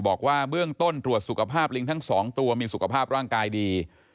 บอกว่าเบื้องต้นตรวจสุขภาพลิงทั้ง๒ตัวมีสุขภาพร่างกายดี